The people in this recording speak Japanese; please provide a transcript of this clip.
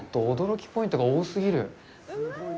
驚きポイントが多すぎる。